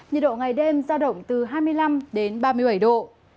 nhiệt độ ngày đêm giao động từ hai mươi năm đến ba mươi bảy độ